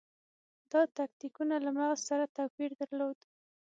دا تکتیکونه له مغز سره توپیر درلود.